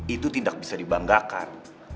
itu tidak bisa dibanggakan